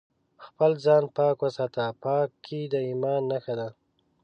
خپل ځان پاک وساته ، پاکي د ايمان نښه ده